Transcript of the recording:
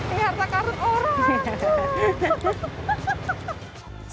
eh harta karun orang